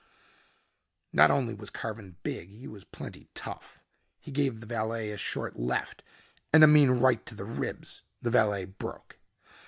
Not only was Carven big, he was plenty tough. He gave the valet a short left and a mean right to the ribs. The valet broke.